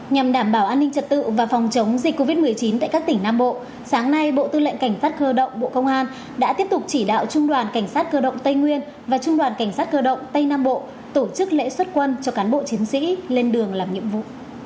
nhằm đảm bảo an ninh trật tự và phòng chống dịch covid một mươi chín tại các tỉnh nam bộ sáng nay bộ tư lệnh cảnh sát cơ động bộ công an đã tiếp tục chỉ đạo trung đoàn cảnh sát cơ động tây nguyên và trung đoàn cảnh sát cơ động tây nam bộ tổ chức lễ xuất quân cho cán bộ chiến sĩ lên đường làm nhiệm vụ